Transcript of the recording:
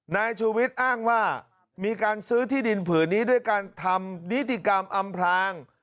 นายชูวิทย์อ้างว่ามีการซื้อที่ดินผืนนี้ด้วยการทำนิติกรรมอำพลาง